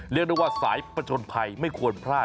เรียกได้ว่าสายประชนภัยไม่ควรพลาด